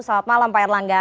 selamat malam pak erlangga